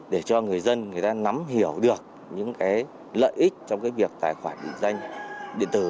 để cho người dân người ta nắm hiểu được những cái lợi ích trong cái việc tài khoản định danh điện tử